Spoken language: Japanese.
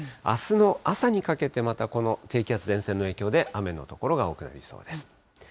あすの朝にかけて、またこの低気圧、前線の影響で雨の所が多くなりそうです。